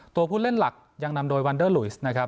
ตัวผู้เล่นหลักยังนำโดยวันเดอร์ลุยสนะครับ